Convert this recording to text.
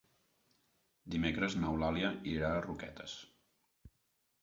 Dimecres n'Eulàlia irà a Roquetes.